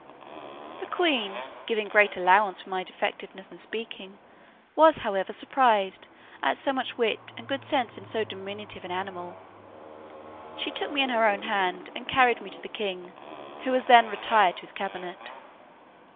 The queen, giving great allowance for my defectiveness in speaking, was, however, surprised at so much wit and good sense in so diminutive an animal. She took me in her own hand, and carried me to the king, who was then retired to his cabinet.